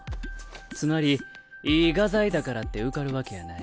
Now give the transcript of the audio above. つまりいい画材だからって受かるわけやない。